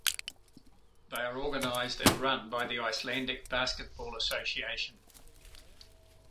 They are organized and run by the Icelandic Basketball Association.